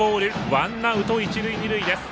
ワンアウト、一塁二塁です。